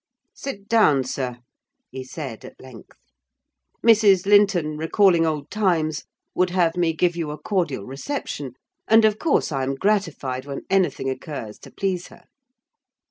"Sit down, sir," he said, at length. "Mrs. Linton, recalling old times, would have me give you a cordial reception; and, of course, I am gratified when anything occurs to please her."